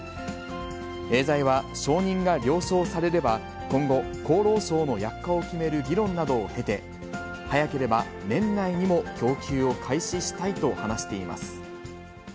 エーザイは、承認が了承されれば、今後、厚労省の薬価を決める議論などを経て、早ければ年内にも供給を開始したいと話しています。